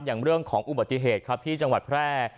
อย่างเรื่องของอุบัติเหตุครับที่จังหวัดแพร่